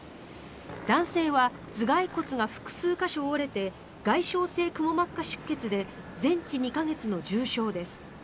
男性は頭がい骨が複数箇所折れて外傷性くも膜下出血で全治２か月の重傷です。